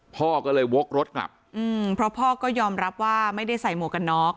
พ่อก็เลยวกรถกลับอืมเพราะพ่อก็ยอมรับว่าไม่ได้ใส่หมวกกันน็อก